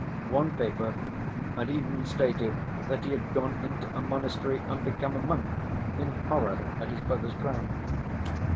One paper had even stated that he had gone into a monastery and become a monk, in horror at his brother's crime.